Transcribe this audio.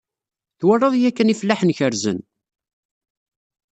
Twalaḍ yakan ifellaḥen kerrzen?